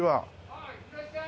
ああいらっしゃい！